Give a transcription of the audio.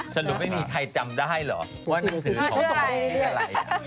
สรุปไม่มีใครจำได้เหรอว่านักสือของเขา